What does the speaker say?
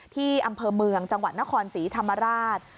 ที่อำเภอเมืองจังหวัดนครศรีธรรมราช